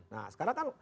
nah sekarang kan